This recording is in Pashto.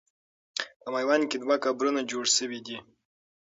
په میوند کې دوه قبرونه جوړ سوي دي.